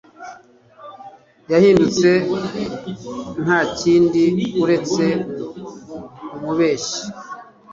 Yahindutse ntakindi uretse umubeshyi.